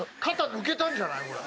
肩抜けたんじゃない？